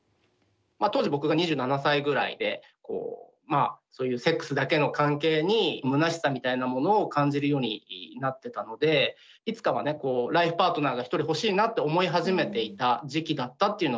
当時僕が２７歳ぐらいでそういうセックスだけの関係にむなしさみたいなものを感じるようになってたのでいつかはねライフパートナーが一人欲しいなって思い始めていた時期だったっていうのがあったと思います。